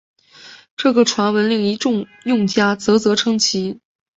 这个传闻令一众用家啧啧称奇！